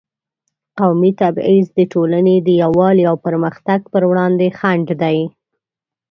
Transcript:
قومي تبعیض د ټولنې د یووالي او پرمختګ پر وړاندې خنډ دی.